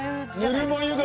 ぬるま湯だ！